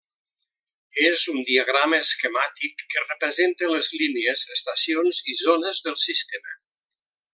És un diagrama esquemàtic que representa les línies, estacions i zones del sistema.